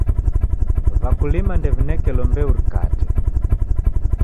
W'akulima ndew'inekelo mbeu rikate.